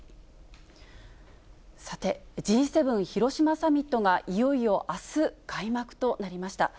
さて、Ｇ７広島サミットがいよいよあす、開幕となりました。